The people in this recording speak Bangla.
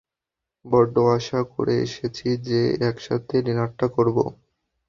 বড্ড আশা করে এসেছি যে একসাথে ডিনারটা করব!